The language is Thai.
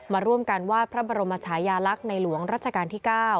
มาร่วมกันวาดพระบรมชายาลักษณ์ในหลวงรัชกาลที่๙